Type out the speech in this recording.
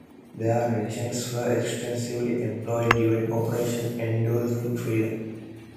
These rations were extensively employed during Operation Enduring Freedom.